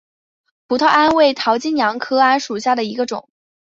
葡萄桉为桃金娘科桉属下的一个种。